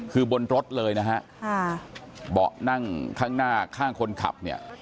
คือบนรถเลยนะครับเบาะนั่งข้างหน้าข้างคนขับ